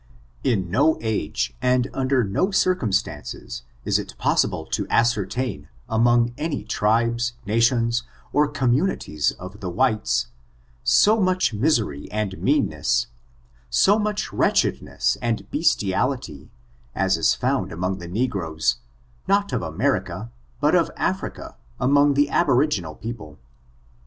In no age, and under no circumstances, is it possi ble to ascertain, among any tribes, nations, or com munities of the whites, so much misery and meanness, so much wretchedness and bestiality, as is found among the negroes, not of America, but of Africa, among the aboriginal people.